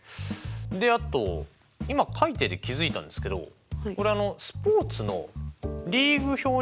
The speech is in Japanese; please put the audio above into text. であと今書いてて気付いたんですけどこれスポーツのリーグ表に何か似てませんか？